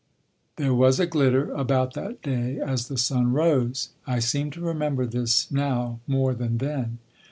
There was a glitter about that day as the sun rose. I seem to remember this now more than then.